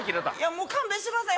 もう勘弁してください